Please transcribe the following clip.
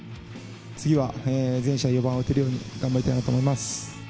次は全試合４番を打てるように頑張りたいなと思います。